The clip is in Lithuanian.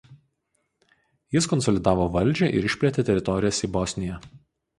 Jis konsolidavo valdžią ir išplėtė teritorijas į Bosniją.